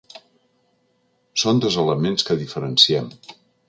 Són dos elements que diferenciem.